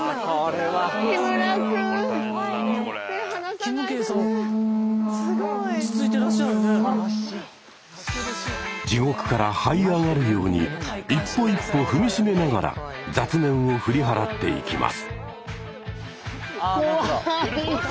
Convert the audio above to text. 木村くん地獄からはい上がるように一歩一歩踏み締めながら雑念を振り払っていきます。